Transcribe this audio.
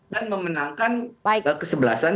dan memenangkan kesebalasan